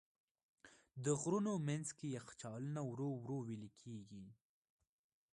د غرونو منځ کې یخچالونه ورو ورو وېلې کېږي.